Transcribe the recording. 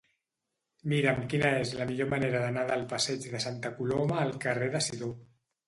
Mira'm quina és la millor manera d'anar del passeig de Santa Coloma al carrer de Sidó.